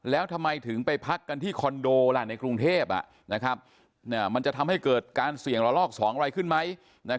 แล้วทำไมถึงไปพักกันที่คอนโดล่ะในกรุงเทพมันจะทำให้เกิดการเสี่ยงระลอก๒อะไรขึ้นไหม